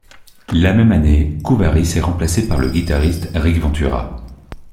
La même année, Kouvaris est remplacé par le guitariste Rick Ventura.